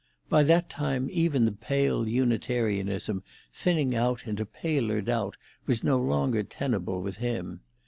By that time even the pale Unitarianism thinning out into paler doubt was no longer tenable with him.